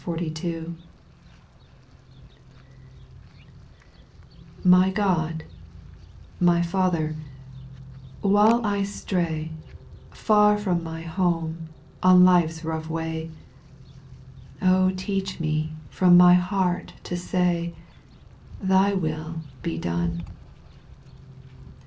Itf Y God, my Father, while I stray, iUL Far from my home, on life's rough way, teach me from my heart to say, " Thy will be done."